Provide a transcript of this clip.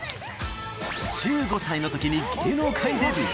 １５歳のときに芸能界デビュー。